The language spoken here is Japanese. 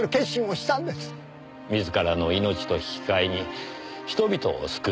自らの命と引き換えに人々を救う。